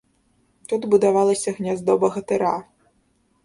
Тут будавалася гняздо багатыра.